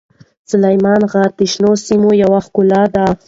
سلیمان غر د شنو سیمو یوه ښکلا ده.